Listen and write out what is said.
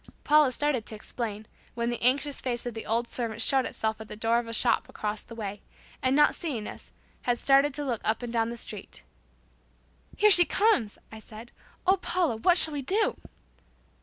Paula started to explain, when the anxious face of the old servant showed itself at the door of the shop across the way, and not seeing us, had started to look up and down the street "Here she comes," I said. "Oh, Paula, what shall we do?"